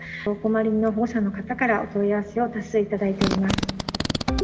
お困りの保護者の方からお問い合わせを多数頂いております。